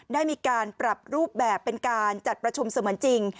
ได้มีการปรับรูปแบบเป็นการจัดประชุมเสมือนจริง